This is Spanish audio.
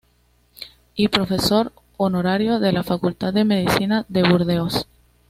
Y profesor Honorario de la Facultad de Medicina de Burdeos.